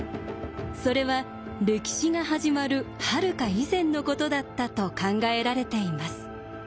それは歴史が始まるはるか以前のことだったと考えられています。